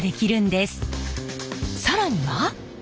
更には。